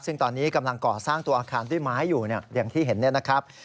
ซึ่งตอนนี้กำลังก่อสร้างตัวอาคารด้วยไม้อยู่อย่างที่เห็นเนี่ยนะครับ